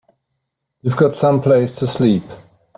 You got someplace to sleep?